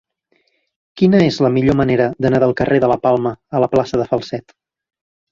Quina és la millor manera d'anar del carrer de la Palma a la plaça de Falset?